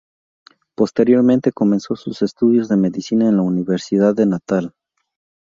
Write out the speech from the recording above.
Posteriormente comenzó sus estudios de medicina en la Universidad de Natal.